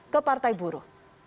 ke partai buru